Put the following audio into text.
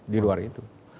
di luar itu